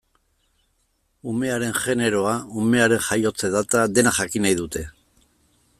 Umearen generoa, umearen jaiotze data, dena jakin nahi dute.